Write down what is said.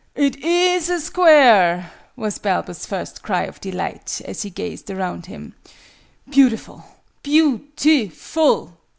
"It is a Square!" was Balbus' first cry of delight, as he gazed around him. "Beautiful! Beau ti ful!